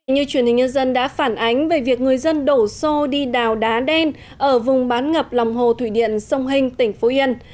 như truyền hình nhân dân đã phản ánh về việc người dân đổ xô đi đào đá đen ở vùng bán ngập lòng hồ thủy điện sông hinh tỉnh phú yên